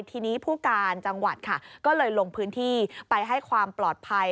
ทีนี้ผู้การจังหวัดค่ะก็เลยลงพื้นที่ไปให้ความปลอดภัย